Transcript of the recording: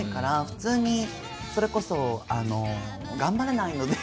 普通にそれこそ頑張れないので。